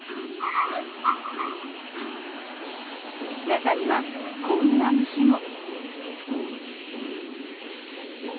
中にはこんな虫も。